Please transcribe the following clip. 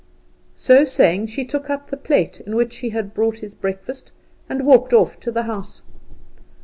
So saying, she took up the plate in which she had brought his breakfast, and walked off to the house.